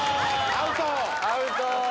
アウト！